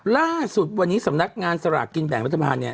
ล่าสุดวันนี้สำนักงานสลากกินแบ่งรัฐบาลเนี่ย